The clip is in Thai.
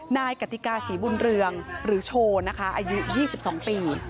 กติกาศรีบุญเรืองหรือโชว์นะคะอายุ๒๒ปี